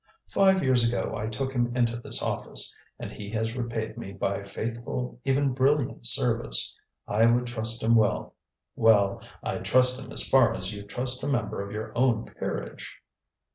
Five years ago I took him into this office, and he has repaid me by faithful, even brilliant service. I would trust him with well, I'd trust him as far as you'd trust a member of your own peerage."